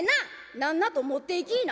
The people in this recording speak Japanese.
「何なと持っていきいな」。